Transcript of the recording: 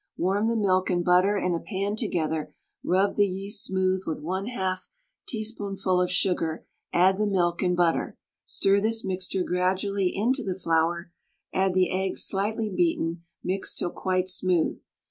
Warm the milk and butter in a pan together, rub the yeast smooth with 1/2 a teaspoonful of sugar, add the milk and butter. Stir this mixture gradually into the flour, add the egg slightly beaten, mix till quite smooth.